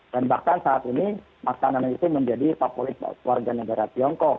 dan bahkan saat ini makanan itu menjadi favorit warga negara tiongkok